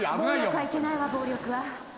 暴力はいけないわ暴力は。